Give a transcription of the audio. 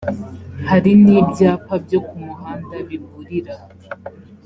hari n’ibyapa byo ku muhanda biburira